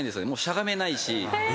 しゃがめないし。